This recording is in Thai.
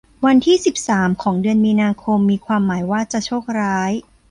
วันที่สิบสามของเดือนมีนาคมมีความหมายว่าจะโชคร้าย